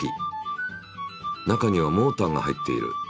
中にはモーターが入っている。